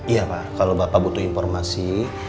iya pak kalau bapak butuh informasi